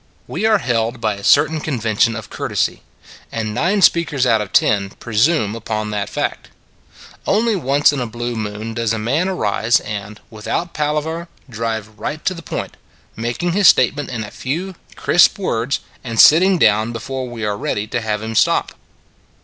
We are held by a certain convention of courtesy: and nine speakers out of ten pre sume upon that fact. Only once in a blue moon does a man arise and, without palaver, drive right to the point, making his statement in a few crisp words, and sitting down before we are ready to have him stop.